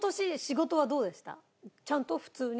ちゃんと普通に？